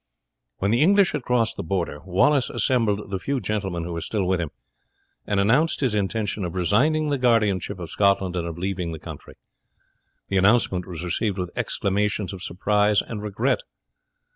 When the English had crossed the Border, Wallace assembled the few gentlemen who were still with him, and announced his intention of resigning the guardianship of Scotland, and of leaving the country. The announcement was received with exclamations of surprise and regret.